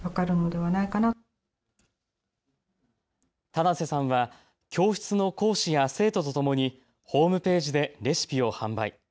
棚瀬さんは教室の講師や生徒とともにホームページでレシピを販売。